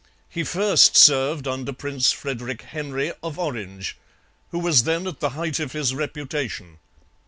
He first served under Prince Frederick Henry of Orange, who was then at the height of his reputation.